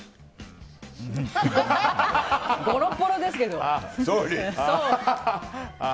ボロッボロですけど！